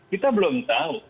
kita belum tahu